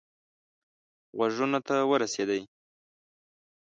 غوږونو ته ورسېدی.